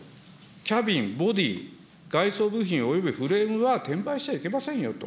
キャビン、ボデー、外装部品及びフレームは転売しちゃいけませんよと。